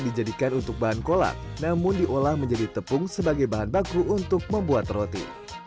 dijadikan untuk bahan kolak namun diolah menjadi tepung sebagai bahan baku untuk membuat roti